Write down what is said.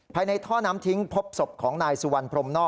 ภายในท่อน้ำทิ้งพบศพของนายสุวรรณพรมน่อ